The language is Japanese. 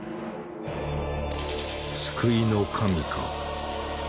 救いの神か？